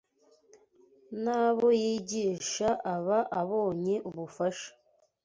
n’abo yigisha aba abonye ubufasha